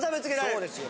そうですよ。